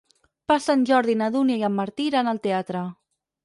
Per Sant Jordi na Dúnia i en Martí iran al teatre.